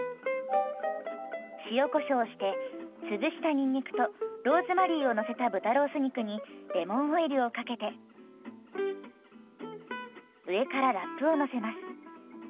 塩こしょうして潰したにんにくとローズマリーをのせた豚ロース肉にレモンオイルをかけて上からラップをのせます。